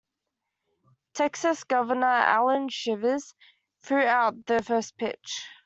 Texas governor Allan Shivers threw out the first pitch.